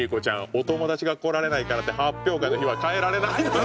お友達が来られないからって発表会の日は変えられないのよ」